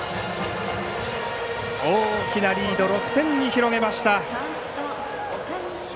大きなリード、６点に広げました。